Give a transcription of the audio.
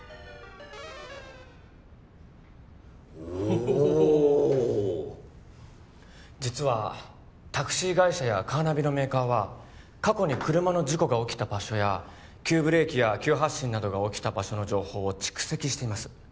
おっ実はタクシー会社やカーナビのメーカーは過去に車の事故が起きた場所や急ブレーキや急発進などが起きた場所の情報を蓄積しています